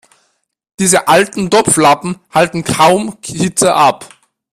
Diese alten Topflappen halten kaum Hitze ab.